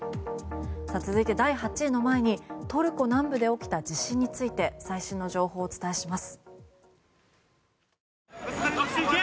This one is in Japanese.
続いて第８位の前にトルコ南部で起きた地震について最新の情報をお伝えします。